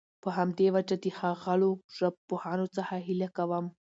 په همدي وجه د ښاغلو ژبپوهانو څخه هيله کوم